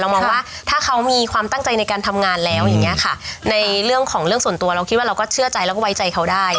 มองว่าถ้าเขามีความตั้งใจในการทำงานแล้วอย่างเงี้ยค่ะในเรื่องของเรื่องส่วนตัวเราคิดว่าเราก็เชื่อใจแล้วก็ไว้ใจเขาได้